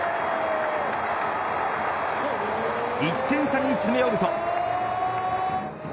１点差に詰め寄ると。